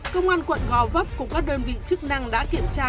công an quận gò vấp cùng các đơn vị chức năng đã kiểm tra